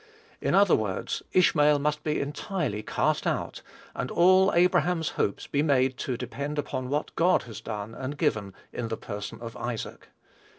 In other words, Ishmael must be entirely cast out, and all Abraham's hopes be made to depend upon what God had done and given in the person of Isaac.